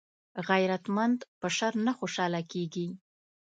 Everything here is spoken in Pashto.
غیرتمند په شر نه خوشحاله کېږي